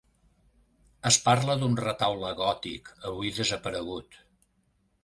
Es parla d'un retaule gòtic, avui desaparegut.